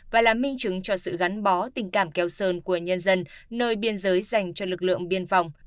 và là minh chứng cho sự gắn bó tình cảm kéo sơn của nhân dân nơi biên giới dành cho lực lượng biên phòng